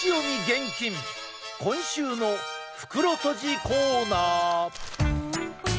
厳禁今週の袋とじコーナー！